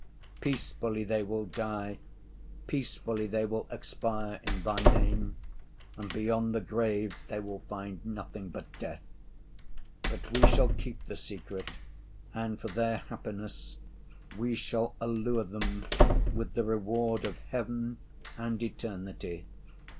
Peacefully they will die, peacefully they will expire in Thy name, and beyond the grave they will find nothing but death. But we shall keep the secret, and for their happiness we shall allure them with the reward of heaven and eternity.